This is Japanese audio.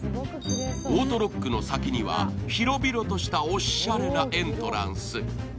オートロックの先には広々としたおっしゃれなエントランス。